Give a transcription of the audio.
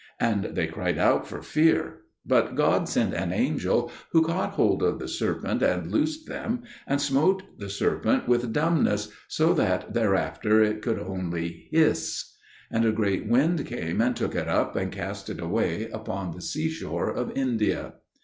And they cried out for fear. But God sent an angel who caught hold of the serpent and loosed them, and smote the serpent with dumbness, so that thereafter it could only hiss. And a great wind came and took it up, and cast it away upon the seashore of India.